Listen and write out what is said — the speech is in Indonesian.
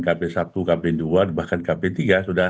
kb satu kb dua bahkan kb tiga sudah